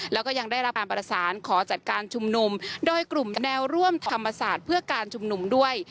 แล้วก็ยังได้รับการประสานขอจัดการชุมนุมโดยกลุ่มแนวร่วมธรรมศาสตร์เพื่อการชุมนุมด้วย